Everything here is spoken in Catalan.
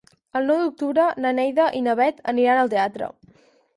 El nou d'octubre na Neida i na Bet aniran al teatre.